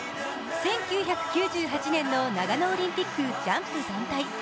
１９９８年の長野オリンピックジャンプ団体。